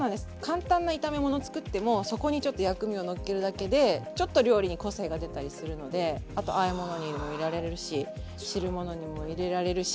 簡単な炒め物作ってもそこにちょっと薬味をのっけるだけでちょっと料理に個性が出たりするのであとあえ物にも入れられるし汁物にも入れられるし。